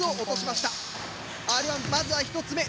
Ｒ１まずは１つ目。